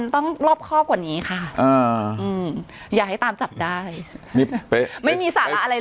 มันต้องรอบครอบกว่านี้ค่ะอืมอยากให้ตามจับได้ไม่มีสารอะไรเลย